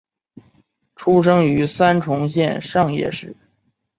出生于三重县上野市。